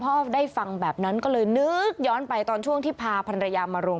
พาพนักงานสอบสวนสนราชบุรณะพาพนักงานสอบสวนสนราชบุรณะ